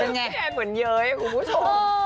เออเป็นอย่างไรพี่แอนด์เหมือนเย้ยคุณผู้ชม